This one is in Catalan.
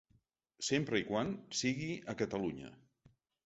Sempre i quan sigui a Catalunya.